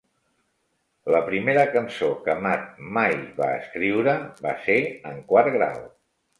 La primera cançó que Matt mai va escriure va ser en quart grau.